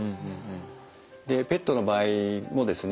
でペットの場合もですね